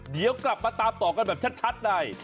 เดี๋ยวกลับมาตามต่อกันแบบชัดใน